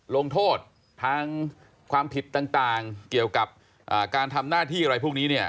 ลงโทษทางความผิดต่างเกี่ยวกับการทำหน้าที่อะไรพวกนี้เนี่ย